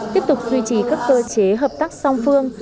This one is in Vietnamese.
tiếp tục duy trì các cơ chế hợp tác song phương